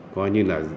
có ý đồ tổ chức